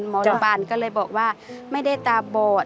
หมอโรงพยาบาลก็เลยบอกว่าไม่ได้ตาบอด